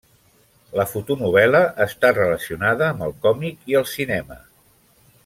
La fotonovel·la està relacionada amb el còmic i el cinema.